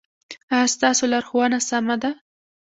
ایا ستاسو لارښوونه سمه ده؟